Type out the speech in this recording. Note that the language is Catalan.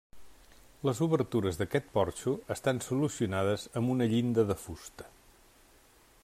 Les obertures d'aquest porxo estan solucionades amb una llinda de fusta.